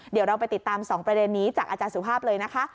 เดี๋ยวเราไปติดตาม๒ประเด็นนี้จากอาจารย์สุภาพเลยนะคะ